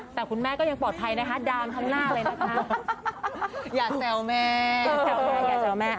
แต่คุณแม่ก็ยังปลอดภัยนะคะดันข้างหน้าเลยอย่าแสวแม่